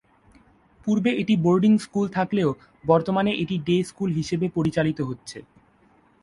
পূর্বে এটি boarding school থাকলেও বর্তমানে এটি ডে স্কুল হিসেবে পরিচালিত হচ্ছে।